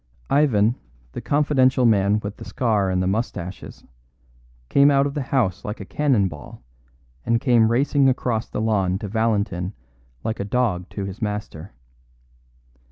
Ivan, the confidential man with the scar and the moustaches, came out of the house like a cannon ball, and came racing across the lawn to Valentin like a dog to his master.